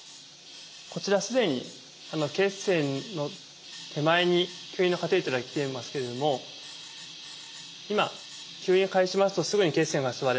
こちら既に血栓の手前に吸引のカテーテルが来ていますけれども今吸引を開始しますとすぐに血栓が吸われます。